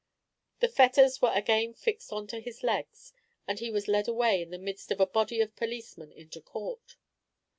The fetters were again fixed on to his legs, and he was led away in the midst of a body of policemen into court.